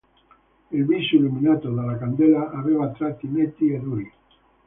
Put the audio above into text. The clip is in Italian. Il viso, illuminato dalla candela, aveva tratti netti e duri.